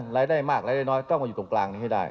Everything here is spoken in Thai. รายได้มากรายได้น้อยต้องมาอยู่ตรงกลางนี้ให้ได้